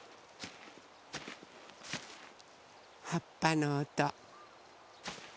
はっぱのおと。